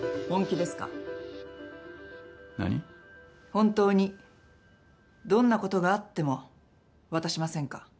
本当にどんなことがあっても渡しませんか？